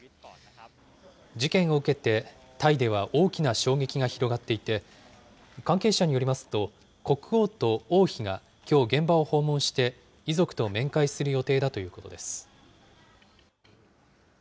事件を受けてタイでは大きな衝撃が広がっていて、関係者によりますと、国王と王妃がきょう現場を訪問して、遺族と面会する予定だということです。